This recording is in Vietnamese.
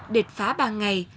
địch phá ban ngày